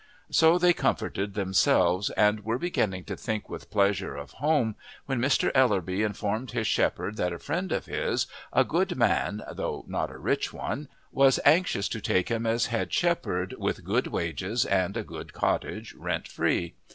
So they comforted themselves, and were beginning to think with pleasure of home when Mr. Ellerby informed his shepherd that a friend of his, a good man though not a rich one, was anxious to take him as head shepherd, with good wages and a good cottage rent free.